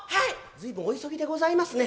「随分お急ぎでございますね。